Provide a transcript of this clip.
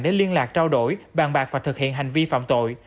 để liên lạc trao đổi bàn bạc và thực hiện hành vi phạm tội